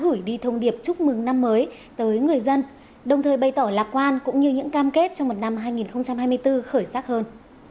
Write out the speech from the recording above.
chúng tôi đã gửi thông điệp chúc mừng năm mới tới người dân đồng thời bày tỏ lạc quan cũng như những cam kết trong một năm hai nghìn hai mươi bốn khởi sắc hơn